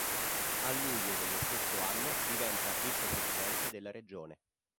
A luglio dello stesso anno diventa vicepresidente della regione.